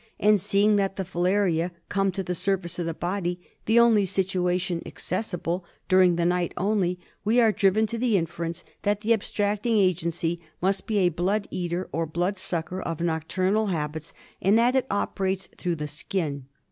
And seeing that the filarias come to the surface of the body — the only situation accessible — during the night only, we are driven to the inference that the abstracting agency must be a blood eater or blood sucker of nocturnal habits, and that it operates through the skin.